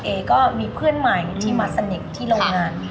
ใช่ค่ะก็มีเพื่อนใหม่ที่มาเสน็จที่โรงงาน